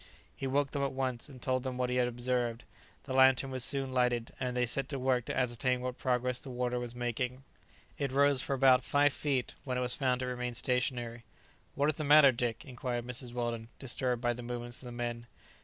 He woke them at once, and told them what he had observed. The lantern was soon lighted, and they set to work to ascertain what progress the water was making It rose for about five feet, when it was found to remain stationary. "What is the matter, Dick?" inquired Mrs. Weldon, disturbed by the movements of the men.